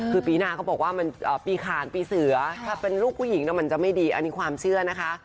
คือปีหน้าเขาบอกว่ามันปีขานปีเสือถ้าเป็นลูกผู้หญิงมันจะไม่ดีอันนี้ความเชื่อนะคะ